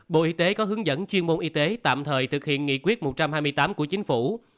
bộ y tế có hướng dẫn chuyên môn y tế tạm thời thực hiện nghị quyết một trăm hai mươi tám của chính phủ